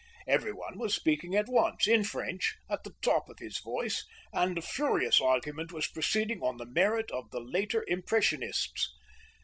Everyone was speaking at once, in French, at the top of his voice, and a furious argument was proceeding on the merit of the later Impressionists.